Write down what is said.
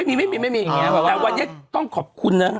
เอ้าไม่มีอย่างงี้แต่ว่าวันแยกต้องขอบคุณนะ